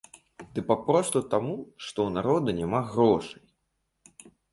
Ды папросту таму, што ў народа няма грошай.